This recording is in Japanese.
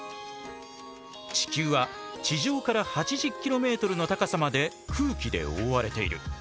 地球は地上から８０キロメートルの高さまで空気で覆われている。